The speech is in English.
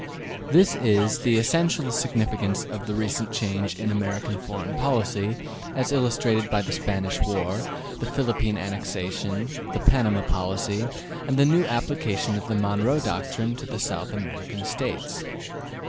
This is the essential significance of the recent change in American foreign policy as illustrated by the Spanish War, the Philippine annexation, the Panama policy, and the new application of the Monroe doctrine to the South American States.